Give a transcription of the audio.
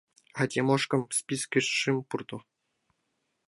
А Тимошкам спискыш шым пурто.